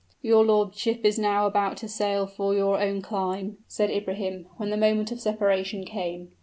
"Your lordship is now about to sail for your own clime," said Ibrahim, when the moment of separation came.